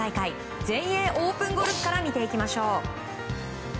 全英オープンゴルフから見ていきましょう。